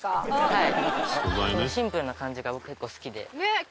はい。